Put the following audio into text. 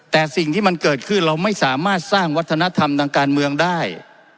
แต่สิ่งที่มันเกิดขึ้นเราไม่สามารถสร้างวัฒนธรรมทางการเมืองได้